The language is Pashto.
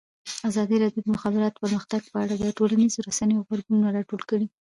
ازادي راډیو د د مخابراتو پرمختګ په اړه د ټولنیزو رسنیو غبرګونونه راټول کړي.